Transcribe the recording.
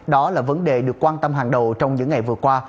đó là vấn đề được quan tâm hàng đầu trong những ngày vừa qua